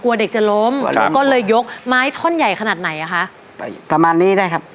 เด็กจะล้มก็เลยยกไม้ท่อนใหญ่ขนาดไหนอ่ะคะประมาณนี้ได้ครับ